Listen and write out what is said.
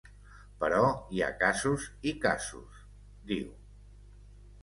Però hi ha casos i casos, diu.